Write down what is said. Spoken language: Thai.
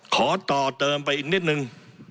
ขอต่อเติมไปอีกนิดนึง